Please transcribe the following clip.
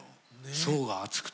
層が厚くて。